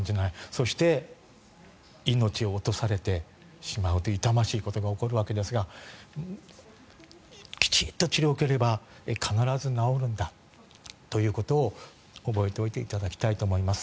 そして命を落とされてしまうという痛ましいことが起こるわけですがきちんと治療を受ければ必ず治るんだということを覚えておいていただきたいと思います。